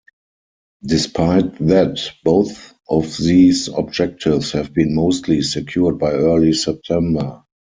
Despite that, both of these objectives have been mostly secured by early September.